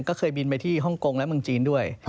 ก็เคยบินไปที่ฮ่องกงและเมืองจีนด้วย